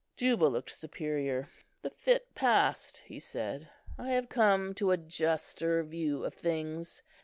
Juba looked superior. "The fit passed," he said. "I have come to a juster view of things.